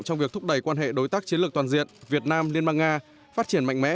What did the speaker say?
trong việc thúc đẩy quan hệ đối tác chiến lược toàn diện việt nam liên bang nga phát triển mạnh mẽ